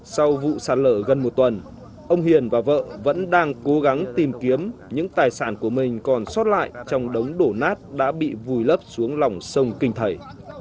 sau vụ sạt lở gần một tuần ông hiền và vợ vẫn đang cố gắng tìm kiếm những tài sản của mình còn sót lại trong đống đổ nát đã bị vùi lấp xuống lòng sông kinh thầy